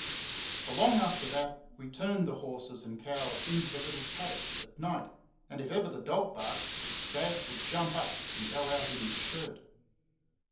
For long after that we turned the horses and cows into the little paddock at night, and if ever the dog barked Dad would jump up and go out in his shirt.